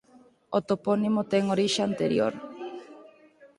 O topónimo ten orixe anterior.